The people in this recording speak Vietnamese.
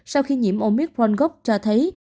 sau khi nhiễm omicron gốc cho thấy